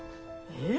え？